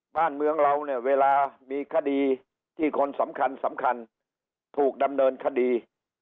บ้านเมืองเราเนี่ยเวลามีคดีที่คนสำคัญสำคัญถูกดำเนินคดี